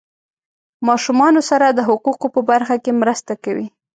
ماشومانو سره د حقوقو په برخه کې مرسته کوي.